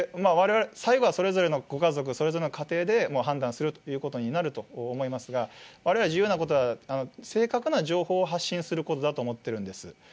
最後はそれぞれのご家族、それぞれの家庭で判断するということになると思いますが、われわれ重要なことは、正確な情報を発信することだと思っているんです。